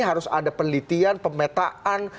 harus ada penelitian pemetaan